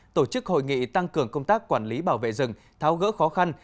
tổ chức hội nghị tăng cường công tác quản lý bảo vệ rừng tháo gỡ khó khăn